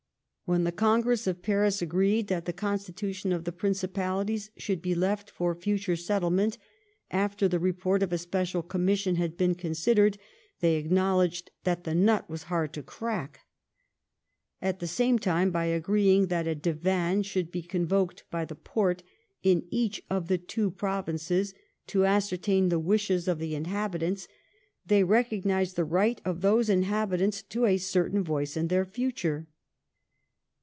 When the Congress of Paris agreed that the oon Btitution of the Principalities should be left for future settlement, after the report of a Special Commission had been considered, they acknowledged that the nut was hard to crack. At the same time, by agreeing that . a Divan should be convoked by the Porte in each of the two provinces to ascertain the wishes of the inhabitants, they recognised the right of those inhabitants to a certain voice in their own future.